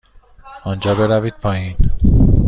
آنجا بروید پایین.